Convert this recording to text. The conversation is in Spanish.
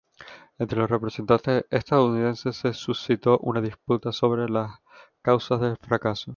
Entre los representantes estadounidenses se suscitó una disputa sobre las causas del fracaso.